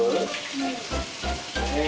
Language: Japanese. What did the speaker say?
うん。